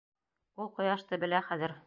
Ул ҡояшты белә хәҙер.